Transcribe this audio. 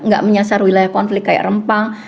nggak menyasar wilayah konflik kayak rempang